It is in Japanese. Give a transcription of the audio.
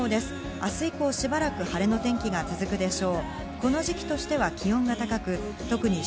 明日以降、しばらく羽の天気が続くでしょう。